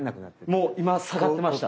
もう今下がってました。